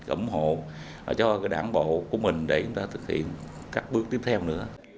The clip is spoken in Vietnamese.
ủng hộ cho đảng bộ của mình để chúng ta thực hiện các bước tiếp theo nữa